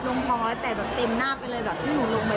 ทุกคนก็จะอยู่ในภูมิโซเชียลตลอดนะคะ